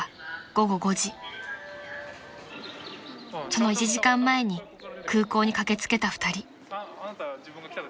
［その１時間前に空港に駆け付けた２人］